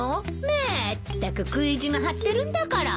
まったく食い意地が張ってるんだから。